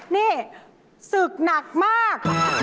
นี่ศึกหนักมาก